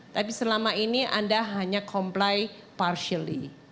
tapi selama ini anda hanya comply partially